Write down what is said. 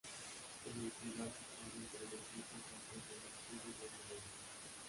En el pilar situado entre los nichos se encuentra el Escudo de Melilla.